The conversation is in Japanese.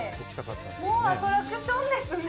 もうアトラクションですね。